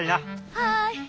はい！